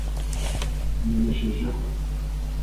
nibeshejeho